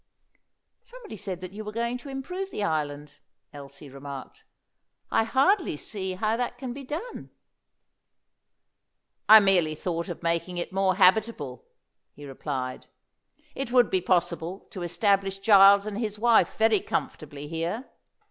"Somebody said that you were going to improve the island," Elsie remarked. "I hardly see how that can be done." "I merely thought of making it more habitable," he replied. "It would be possible to establish Giles and his wife very comfortably here.